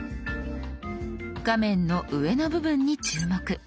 画面の上の部分に注目。